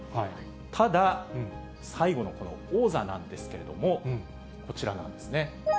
ただ、最後のこの王座なんですけれども、こちらなんですね。